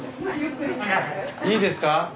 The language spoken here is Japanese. いいですか？